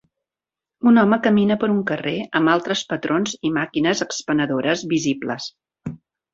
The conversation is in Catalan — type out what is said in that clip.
Un home camina per un carrer amb altres patrons i màquines expenedores visibles.